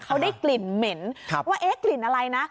เขาได้กลิ่นเหม็นว่าเอ๊ะกลิ่นอะไรนะ